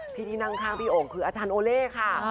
ที่ที่นั่งข้างพี่โอ่งคืออาจารย์โอเล่ค่ะ